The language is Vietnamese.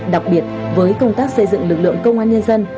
đặc biệt với công tác xây dựng lực lượng công an nhân dân